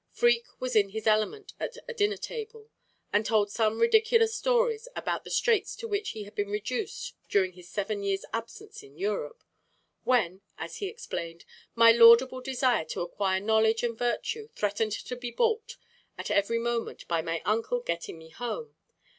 Freke was in his element at a dinner table, and told some ridiculous stories about the straits to which he had been reduced during his seven years' absence in Europe "when," as he explained "my laudable desire to acquire knowledge and virtue threatened to be balked at every moment by my uncle getting me home.